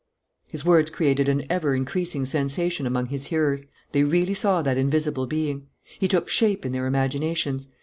His words created an ever increasing sensation among his hearers. They really saw that invisible being. He took shape in their imaginations.